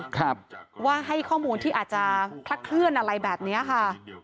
ครับว่าให้ข้อมูลที่อาจจะคลักเคลื่อนอะไรแบบเนี้ยค่ะ